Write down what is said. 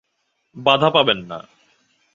বাধা পাবেন না।